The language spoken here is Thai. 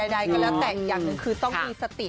ใดก็แล้วแต่อยากลืมคือต้องมีสติ